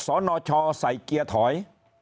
สนชใส่เกียร์ถอย